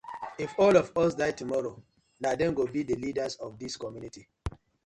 If all of us die tomorrow, na dem go bi the leaders of dis community.